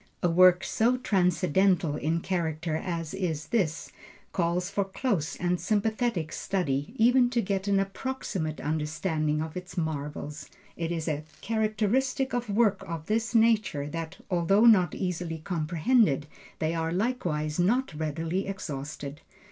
A work so transcendental in character as is this, calls for close and sympathetic study even to get an approximate understanding of its marvels. It is a characteristic of works of this nature, that although not easily comprehended, they are likewise not readily exhausted.